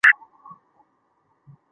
商业发达。